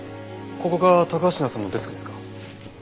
ここが高階さんのデスクですか？